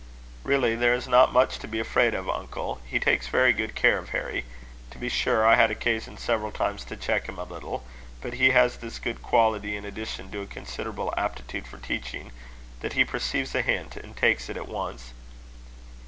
"Really, there is not much to be afraid of, uncle. He takes very good care of Harry. To be sure, I had occasion several times to check him a little; but he has this good quality in addition to a considerable aptitude for teaching, that he perceives a hint, and takes it at once."